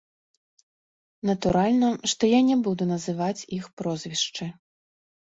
Натуральна, што я не буду называць іх прозвішчы.